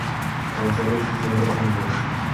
Tan sólo existen dos unidades.